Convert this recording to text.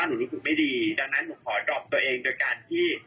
หนูรู้สึกว่าบางครั้งคนเข้าใจก็เข้าใจ